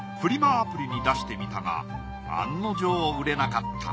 アプリに出してみたが案の定売れなかった。